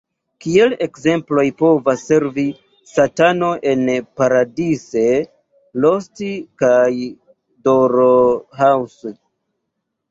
Kiel ekzemploj povas servi Satano en "Paradise Lost" kaj Dr. House.